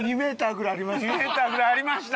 ２メーターぐらいありました！